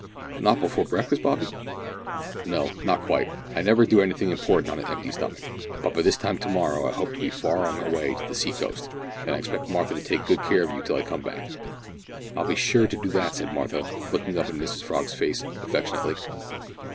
"Not before breakfast, Bobby?" "No, not quite. I never do anything important on an empty stomach, but by this time to morrow I hope to be far on my way to the sea coast, and I expect Martha to take good care of you till I come back." "I'll be sure to do that," said Martha, looking up in Mrs Frog's face affectionately.